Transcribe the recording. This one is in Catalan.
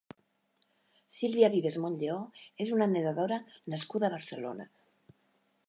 Silvia Vives Montlleó és una nedadora nascuda a Barcelona.